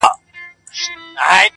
په دې منځ کي شېردل نومي داړه مار وو٫